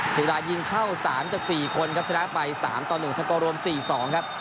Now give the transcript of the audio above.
เทวดายิงเข้า๓จาก๔คนครับชนะไป๓ต่อ๑สกอร์รวม๔๒ครับ